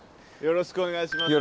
よろしくお願いします。